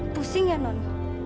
pusing ya non